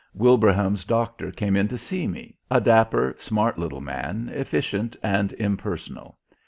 Wilbraham's doctor came in to see me, a dapper, smart little man, efficient and impersonal.